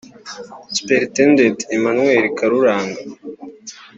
Superintendent Emmanuel Karuranga